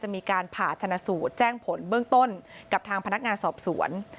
มีการผ่าชนะสูตรแจ้งผลเบื้องต้นกับทางพนักงานสอบสวน